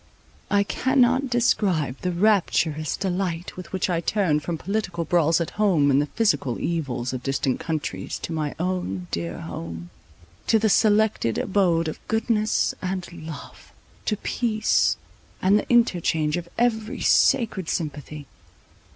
I cannot describe the rapturous delight with which I turned from political brawls at home, and the physical evils of distant countries, to my own dear home, to the selected abode of goodness and love; to peace, and the interchange of every sacred sympathy.